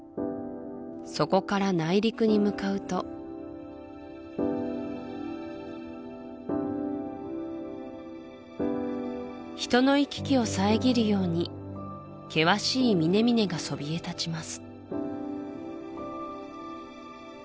そこから内陸に向かうと人の行き来を遮るように険しい峰々がそびえ立ちます